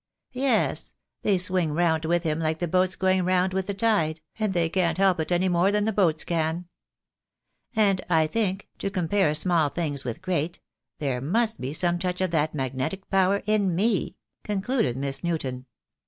Yes, they swing round with him like the boats going round with the tide, and they can't help it any more than the boats can. And I think, to com pare small things with great, there must be some touch of that magnetic power in me/3 concluded Miss Newton.